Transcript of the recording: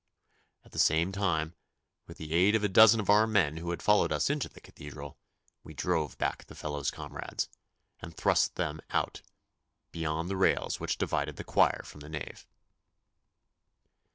At the same time, with the aid of a dozen of our men who had followed us into the Cathedral, we drove back the fellow's comrades, and thrust them out beyond the rails which divided the choir from the nave.